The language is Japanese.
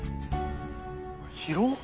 広っ。